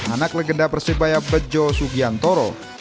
anak legenda persebaya bejo sugiantoro